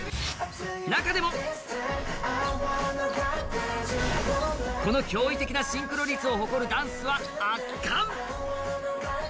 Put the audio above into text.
中でもこの驚異的なシンクロ率を誇るダンスは圧巻！